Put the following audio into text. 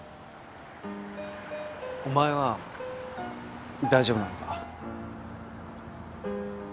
お前は大丈夫なのか？